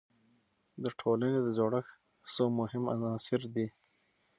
د ټولنې د جوړښت څو مهم عناصر څه دي؟